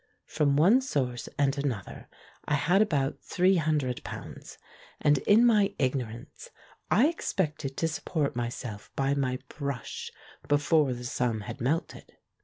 From one source and another I had about three hundred pounds, and in my ignorance I expected to support mj^self by my brush before the sum had melted.